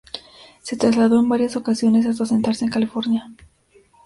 Se trasladó en varias ocasiones hasta asentarse en California.